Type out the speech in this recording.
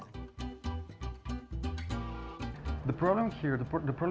masalahnya di sini masalahnya dengan daging